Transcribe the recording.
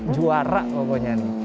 juara pokoknya nih